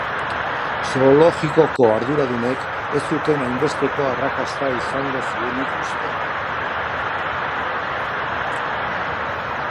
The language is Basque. Zoologikoko arduradunek ez zuten hainbesteko arrakasta izango zuenik uste.